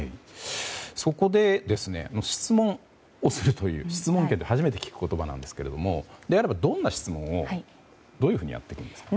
そこで、質問をするという質問権って初めて聞くする言葉なんですがどんな質問を、どういうふうにやっていくんですか。